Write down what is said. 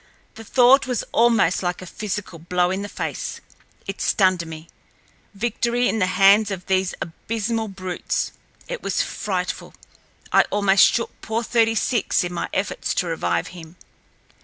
The thought was almost like a physical blow in the face—it stunned me. Victory in the hands of these abysmal brutes! It was frightful. I almost shook poor Thirty six in my efforts to revive him.